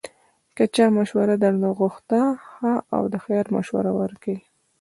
که چا مشوره درنه غوښته، ښه او د خیر مشوره ورکوئ